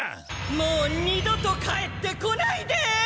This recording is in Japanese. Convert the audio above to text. もう二度と帰ってこないで！